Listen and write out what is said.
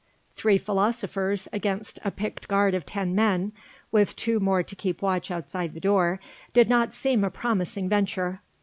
Three philosophers against a picked guard of ten men, with two more to keep watch outside the door, did not seem a promising venture.